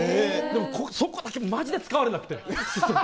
でもそこだけマジで使われなくて。